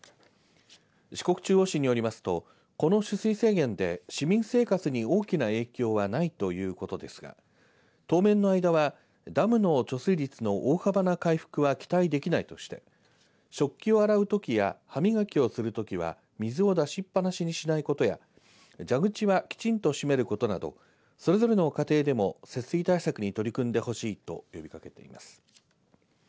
四国中央市によりますとこの取水制限で市民生活に大きな影響はないということですが当面の間はダムの貯水率の大幅な回復は期待できないとして食器を洗うときや歯磨きをするときは水を出しっぱなしにしないことや蛇口はきちんと閉めることなどそれぞれの家庭でも節水対策に取り組んでほしいと呼びかけています。